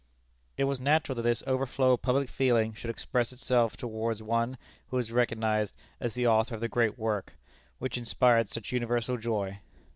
It was natural that this overflow of public feeling should express itself towards one who was recognized as the author of the great work, which inspired such universal joy.